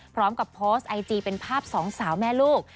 พร้อมกับโพสต์ไอจีเป็นภาพสองสาวแม่ลูก